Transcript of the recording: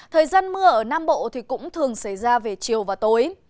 thời gian mưa ở nam bộ thì cũng thường xảy ra về chiều và tối